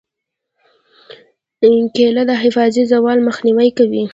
کېله د حافظې زوال مخنیوی کوي.